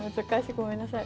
ごめんなさい。